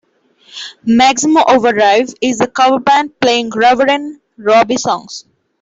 Maximum Overdrive is a cover band playing Rubberen Robbie songs.